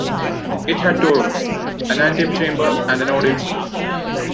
It had two rooms: an antechamber and an audience room.